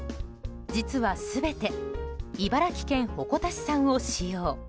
実は全て茨城県鉾田市産を使用。